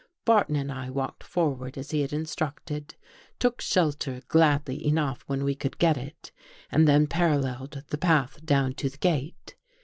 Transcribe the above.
Barton and I walked forward as he had instructed, took shelter gladly enough when we could get it, and then paralleled the path down to the gate.